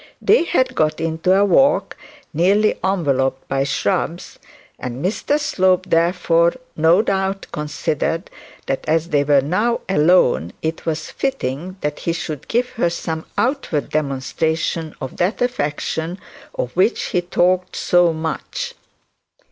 They had got into a walk nearly enveloped by shrubs, and Mr Slope therefore no doubt considered that as they were now alone it was fitting that he should give her some outward demonstration of that affection of which he talked so much.